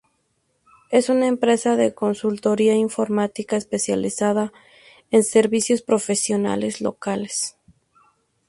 Es una empresa de consultoría informática especializada en servicios profesionales locales.